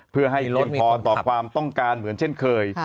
เพื่อให้ลดพอต่อความต้องการเหมือนเช่นเคย